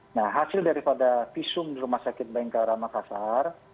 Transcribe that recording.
nah hasil daripada visum di rumah sakit bayangkara makassar